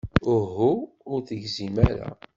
Uhu, ur tegzimt ara.